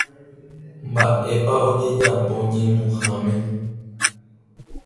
Mba'épa ojejapo ñemuháme.